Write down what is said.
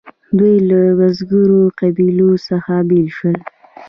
دوی له بزګرو قبیلو څخه بیل شول.